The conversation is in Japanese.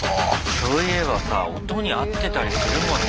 そういえばさ音に合ってたりするもんね